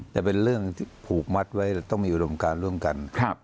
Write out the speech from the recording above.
แต่เป็นเรื่องผูกมัดไว้ต้องมีอุดมการร่วมกัน